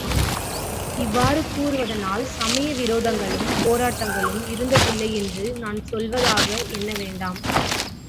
இவ்வாறு கூறுவதனால் சமய விரோதங்களும், போராட்டங்களும் இருந்ததில்லை என்று நான் சொல்லுவதாக எண்ண வேண்டாம்.